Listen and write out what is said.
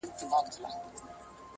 د بخشش او د ستایلو مستحق دی-